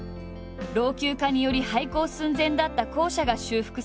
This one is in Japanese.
老朽化により廃校寸前だった校舎が修復された。